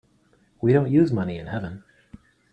We don't use money in heaven.